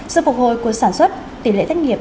sự phục hồi của sản xuất tỉ lệ thách nghiệp